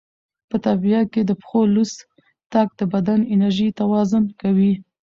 په طبیعت کې د پښو لوڅ تګ د بدن انرژي توازن کوي.